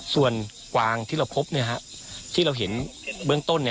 ส่วนกวางที่เราพบที่เราเห็นเบื้องต้น